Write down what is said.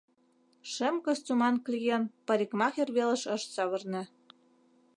Шем костюман клиент парикмахер велыш ыш савырне.